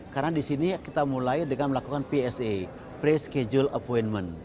karena di sini kita mulai dengan melakukan psa pre schedule appointment